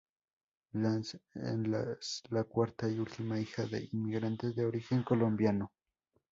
Lanz es la cuarta y última hija de inmigrantes de origen colombiano.